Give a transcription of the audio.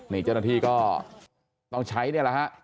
นี่เจ้าหน้าที่ก็ต้องใช้นี่แหละฮะ